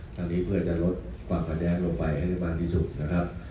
ทั้งนี้เพื่อจะลดกว่ามันแดดลงไปให้เรียกมากที่สุดนะครับ